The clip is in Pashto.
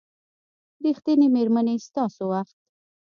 ریښتینې میرمنې ستاسو وخت